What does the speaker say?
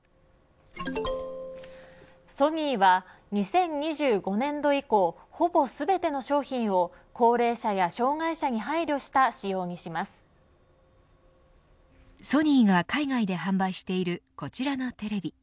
ソニーは２０２５年度以降ほぼ全ての商品を高齢者や障害者に配慮したソニーが海外で販売しているこちらのテレビ。